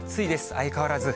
相変わらず。